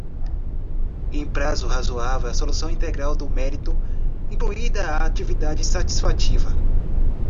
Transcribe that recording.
em prazo razoável a solução integral do mérito, incluída a atividade satisfativa